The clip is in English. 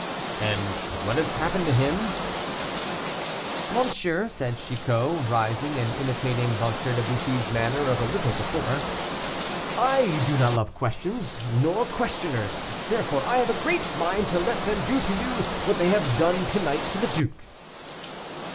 "And what has happened to him?" "Monsieur," said Chicot, rising and imitating M. de Bussy's manner of a little before, "I do not love questions, nor questioners, therefore I have a great mind to let them do to you what they have done to night to the duke."